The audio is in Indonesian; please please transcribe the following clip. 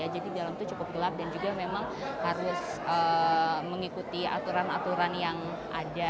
jadi di dalam itu cukup gelap dan juga memang harus mengikuti aturan aturan yang ada